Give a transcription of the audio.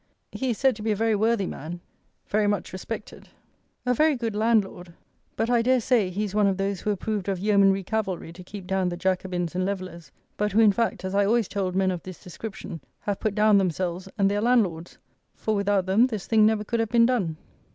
He is said to be a very worthy man; very much respected; a very good landlord; but, I dare say, he is one of those who approved of yeomanry cavalry to keep down the "Jacobins and Levellers;" but who, in fact, as I always told men of this description, have put down themselves and their landlords; for without them this thing never could have been done.